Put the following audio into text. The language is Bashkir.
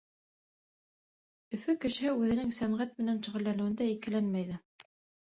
Өфө кешеһе үҙенең сәнғәт менән шөғөлләнеүендә икеләнмәй ҙә.